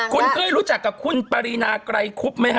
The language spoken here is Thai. คุณเคยรู้จักกับคุณปารีนากลายคุฟมั้ยฮะ